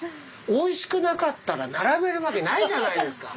おいしくなかったら並べるわけないじゃないですか。